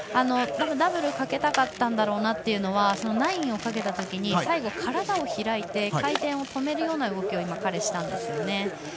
ダブルをかけたかったんだろうなというのは９００をかけたときに最後、体を開いて回転を止めるような動きを彼、したんですね。